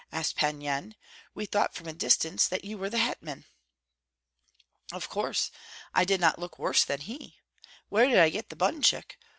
asked Pan Yan. "We thought from a distance that you were the hetman." "Of course, I did not look worse than he? Where did I get the bunchuk?